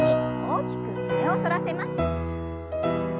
大きく胸を反らせます。